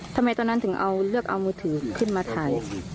ทำไมตอนนั้นถึงเอาเลือกเอามือถือขึ้นมาถ่าย